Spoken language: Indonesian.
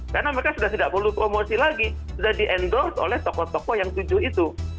karena mereka sudah tidak perlu promosi lagi sudah di endorse oleh tokoh tokoh yang tujuh itu